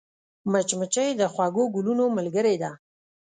مچمچۍ د خوږو ګلونو ملګرې ده